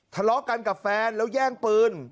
ทะเลาะกันกับแฟนแล้วแย่งปืน